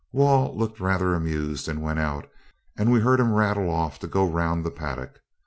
Wall looked rather amused, but went out, and we heard him rattle off to go round the paddock.